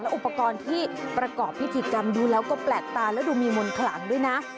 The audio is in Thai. อุปกรณ์ที่ประกอบพิธีกรรมดูแล้วก็แปลกตาแล้วดูมีมนต์ขลังด้วยนะ